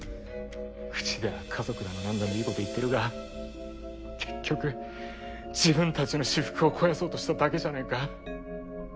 口では家族だの何だのいいこと言ってるが結局自分たちの私腹を肥やそうとしただけじゃないか。